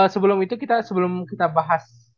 sebelum itu kita bahas